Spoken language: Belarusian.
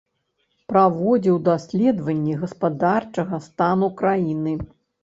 Праводзіў даследаванні гаспадарчага стану краіны.